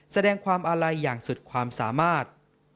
แสดงความอาลัยอย่างสุดความสามารถ